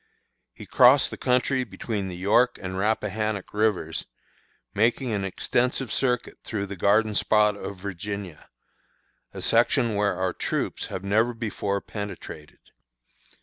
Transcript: He crossed the country between the York and Rappahannock Rivers, making an extensive circuit through the garden spot of Virginia a section where our troops have never before penetrated.